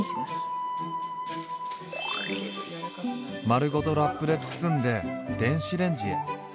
丸ごとラップで包んで電子レンジへ。